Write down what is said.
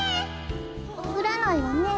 ふらないわね。